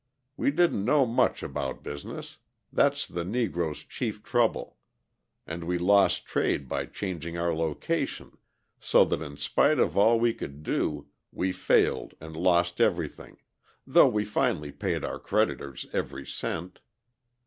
We didn't know much about business that's the Negro's chief trouble and we lost trade by changing our location, so that in spite of all we could do, we failed and lost everything, though we finally paid our creditors every cent.